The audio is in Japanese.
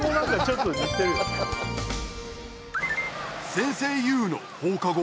先生ＹＯＵの放課後